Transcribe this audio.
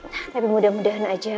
tapi mudah mudahan aja